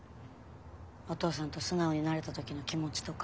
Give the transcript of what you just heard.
お父さんと素直になれた時の気持ちとか。